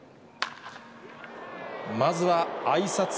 まずはあいさつ